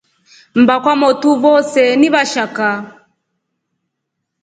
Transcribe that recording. Mba kwamotu voose ni vashaka.